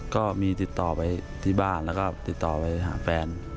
ก็มีติดต่อไปที่บ้านแล้วก็ติดต่อไปหาแฟน